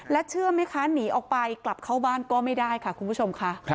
เชื่อไหมคะหนีออกไปกลับเข้าบ้านก็ไม่ได้ค่ะคุณผู้ชมค่ะ